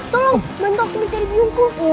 tolong bantu aku mencari biongku